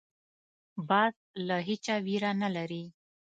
باز له هېچا ویره نه لري